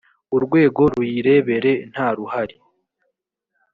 urwego ruyirebere ntaruhari.